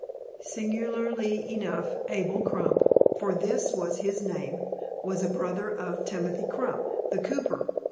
Singularly enough Abel Crump, for this was his name, was a brother of Timothy Crump, the cooper.